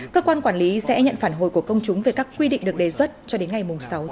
cơ quan quản lý sẽ nhận phản hồi của công chúng về các quy định được đề xuất cho đến ngày sáu tháng bảy tới đây